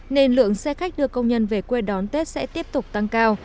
nên lượng xe khách đưa công nhân về quê đón tết sẽ tiếp tục tăng cao